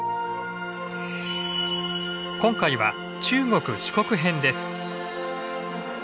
今回は中国四国編です。